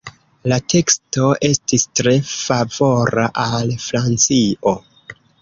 La teksto estis tre favora al Francio.